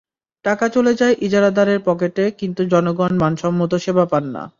টাকা চলে যায় ইজারাদারের পকেটে, কিন্তু জনগণ মানসম্মত সেবা পান না।